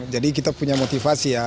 jadi kita punya motivasi ya